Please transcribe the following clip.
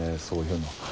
そういうの。